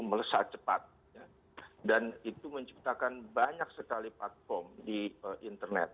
melesat cepat dan itu menciptakan banyak sekali platform di internet